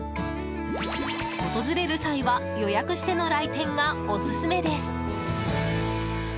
訪れる際は予約しての来店がオススメです。